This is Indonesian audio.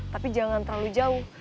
tapi jangan terlalu jauh